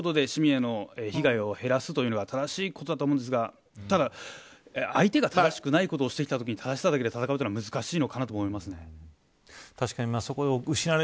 明確に分けることで市民への被害を減らすのが正しいことだと思うんですがただ、相手が正しくないことをしてきたときに正しさだけで戦うのは難しいのかなとも思います。